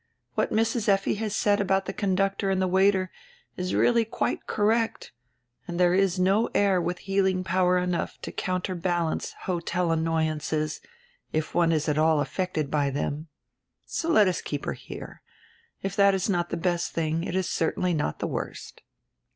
What Mrs. Effi has said about the conductor and the waiter is really quite correct, and there is no air with healing power enough to counterbalance hotel annoyances, if one is at all affected by them. So let us keep her here. If that is not the best tiling, it is certainly not the worst."